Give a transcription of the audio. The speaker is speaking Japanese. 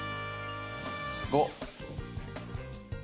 ５！